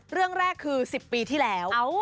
เรื่องแรกคือ๑๐ปีที่แล้ว